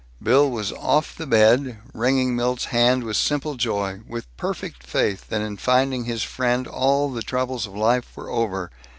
Bill was off the bed, wringing Milt's hand with simple joy, with perfect faith that in finding his friend all the troubles of life were over.